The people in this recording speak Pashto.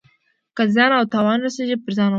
که زیان او تاوان رسیږي پر ځان ومني.